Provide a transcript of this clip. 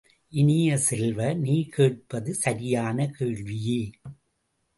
இனிய செல்வ, நீ கேட்பது சரியான கேள்வியே!